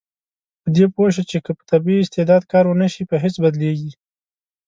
په دې پوه شو چې که په طبیعي استعداد کار ونشي، په هېڅ بدلیږي.